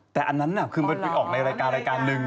แต่อันนั้นคือเหมือนมิกออกในรายการหนึ่ง